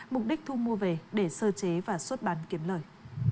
mục đích thu mua về để sơ chế và xuất bán kiếm lời